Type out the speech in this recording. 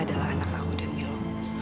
adalah anak aku dan mil